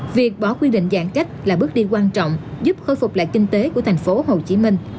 việc bỏ quy định giãn cách là bước đi quan trọng giúp khôi phục lại kinh tế của thành phố hồ chí minh